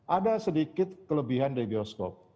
ada sedikit kelebihan dari bioskop